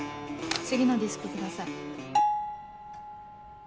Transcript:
次のディスクください。